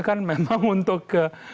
kan memang untuk ke